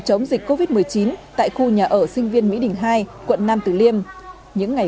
cho nên việt nam là cách ly